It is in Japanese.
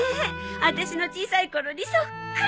私の小さい頃にそっくり。